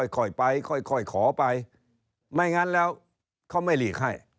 ค่อยไปค่อยขอไปไม่งั้นแล้วเขาไม่หลีกให้